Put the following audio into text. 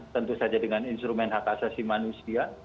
tentu saja dengan instrumen hak asasi manusia